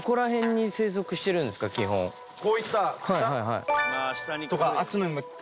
こういった草。